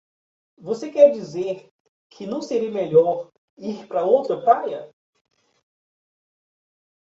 Você quer dizer que não seria melhor ir para outra praia?